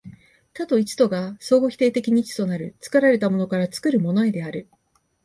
多と一とが相互否定的に一となる、作られたものから作るものへである。